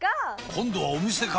今度はお店か！